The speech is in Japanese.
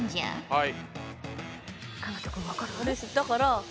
はい。